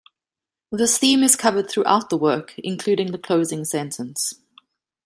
This theme is covered throughout the work, including the closing sentence.